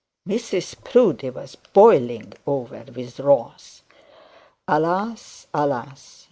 Mrs Proudie was boiling over with wrath. Alas, alas!